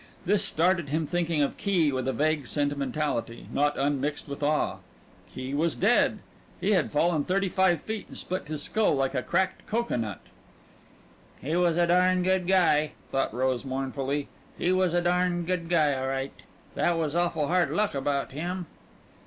This started him thinking of Key with a vague sentimentality, not unmixed with awe. Key was dead. He had fallen thirty five feet and split his skull like a cracked cocoa nut. "He was a darn good guy," thought Rose mournfully. "He was a darn good guy, o'right. That was awful hard luck about him."